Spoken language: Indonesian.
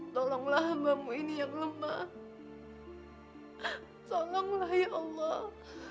tolonglah ya allah